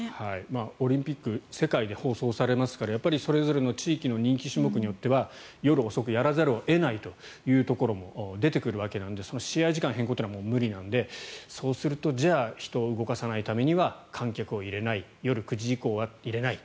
オリンピック世界で放送されますからそれぞれの地域の人気種目によっては夜遅くにやらざるを得ないところも出てくるわけなので試合時間変更というのは無理なのでそうすると、じゃあ人を動かさないためには観客を夜９時以降は入れないと。